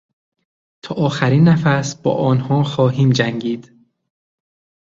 تا آخرین نفس با آنها خواهیم جنگید.